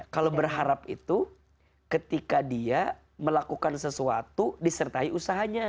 kalau berharap itu ketika dia melakukan sesuatu disertai usahanya